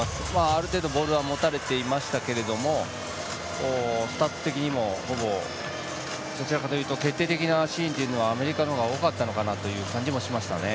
ある程度、ボールは持たれていましたがスタッツ的にもほぼどちらかというと決定的なシーンはアメリカの方が多かったという感じもしましたね。